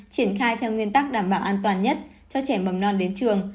triển khai theo nguyên tắc đảm bảo an toàn nhất cho trẻ mầm non đến trường